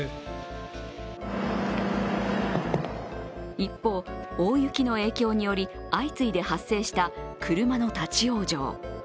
一方、大雪の影響により相次いで発生した車の立往生。